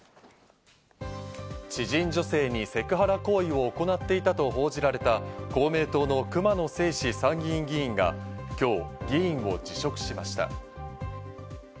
知人女性にセクハラ行為を行っていたと報じられた公明党の熊野正士参議院議員が今日、議員を辞職しました。